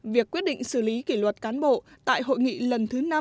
việc quyết định xử lý kỷ luật cán bộ tại hội nghị lần thứ năm